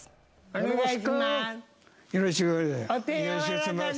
よろしくよろしくお願いします